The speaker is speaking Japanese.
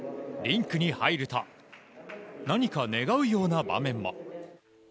リンクに入ると、何か願うような場面も。